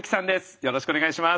よろしくお願いします。